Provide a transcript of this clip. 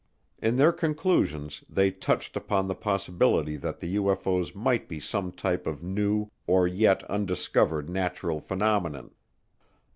In their conclusions they touched upon the possibility that the UFO's might be some type of new or yet undiscovered natural phenomenon.